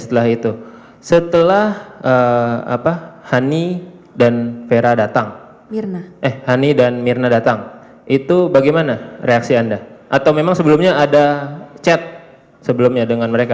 setelah itu setelah honey dan mirna datang itu bagaimana reaksi anda atau memang sebelumnya ada chat dengan mereka